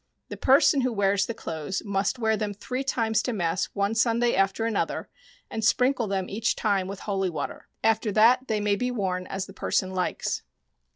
The person who wears the clothes must wear them three times to mass one Sunday after another and sprinkle them each time with holy water. After that they may be worn as the person likes.